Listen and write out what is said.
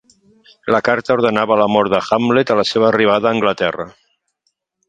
La carta ordenava la mort de Hamlet a la seva arribada a Anglaterra.